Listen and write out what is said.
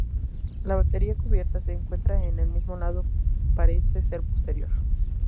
La batería cubierta que se encuentra en el mismo lado parece ser posterior.